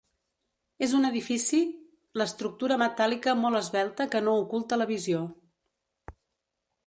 És un edifici l'estructura metàl·lica molt esvelta que no oculta la visió.